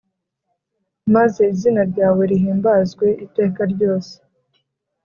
Maze izina ryawe rihimbazwe iteka ryose